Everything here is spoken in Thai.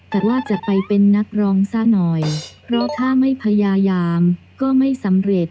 แต่ว่าจะไปเป็นนักร้องซะหน่อยเพราะถ้าไม่พยายามก็ไม่สำเร็จ